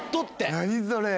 ・何それ！